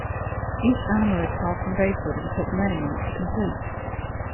Each animal is carved from basswood and took many months to complete.